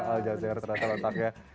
al jazeera terletak letak ya